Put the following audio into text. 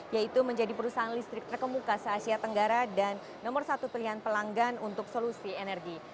yaitu menjadi perusahaan listrik terkemuka se asia tenggara dan nomor satu pilihan pelanggan untuk solusi energi